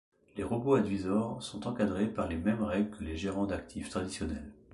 Les robo-advisors sont encadrés par les mêmes règles que les gérants d'actifs traditionnels.